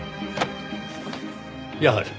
やはり。